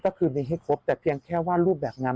ก็คือมีให้ครบแต่เพียงแค่ว่ารูปแบบนั้น